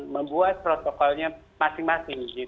membuat protokolnya masing masing